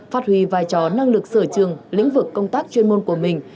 phát huy vai trò năng lực sở trường lĩnh vực công tác chuyên môn của mình